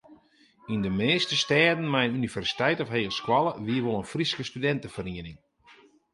Yn de measte stêden mei in universiteit of hegeskoalle wie wol in Fryske studinteferiening.